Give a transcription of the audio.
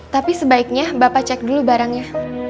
tapi sebaiknya bapak cek dulu barangnya